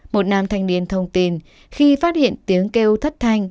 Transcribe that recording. một nam thanh niên thông tin khi phát hiện tiếng kêu thất thanh